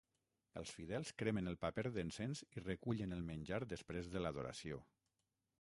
Els fidels cremen el paper d'encens i recullen el menjar després de l'adoració.